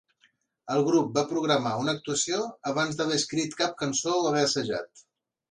El grup va programar una actuació abans d'haver escrit cap cançó o haver assajat.